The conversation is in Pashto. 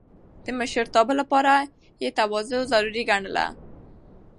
د مشرتابه لپاره يې تواضع ضروري ګڼله.